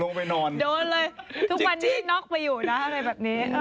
ถูกวันหนี้นี๊กกไปอยู่นะอะไรแบบนี้